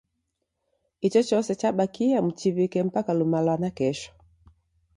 Ichochose chabakiaa mchiw'ike mpaka luma lwa nakesho.